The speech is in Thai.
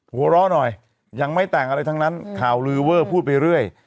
หัวเราะหน่อยยังไม่แต่งอะไรทั้งนั้นข่าวลือเวอร์พูดไปเรื่อย